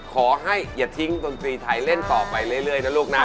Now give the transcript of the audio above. ขอให้อย่าทิ้งดนตรีไทยเล่นต่อไปเรื่อยนะลูกนะ